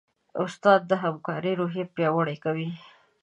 استاد د همکارۍ روحیه پیاوړې کوي.